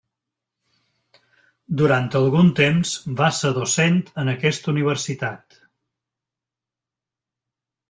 Durant algun temps va ser docent en aquesta Universitat.